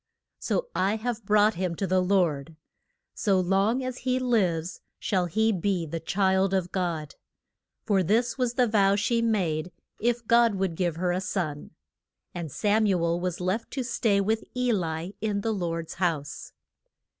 So I have brought him to the Lord; so long as he lives shall he be the child of God. For this was the vow she made if God would give her a son. And Sam u el was left to stay with E li in the Lord's house.